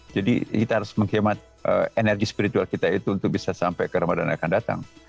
jadi kita harus menghemat energi spiritual kita itu untuk bisa sampai ke ramadhan yang akan datang